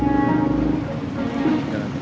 kamu juga harus bekerja sama sekitar